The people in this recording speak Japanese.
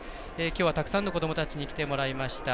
きょうはたくさんの子どもたちに来てもらいました。